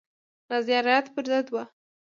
نظریات پر ضد وه.